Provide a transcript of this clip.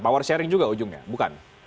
power sharing juga ujungnya bukan